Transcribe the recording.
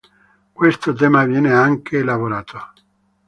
Questo tema viene anche elaborato.